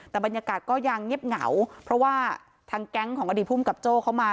แต่บรรยากาศก็ยังเงียบเหงาเพราะว่าทางแก๊งของอดีตภูมิกับโจ้เขามา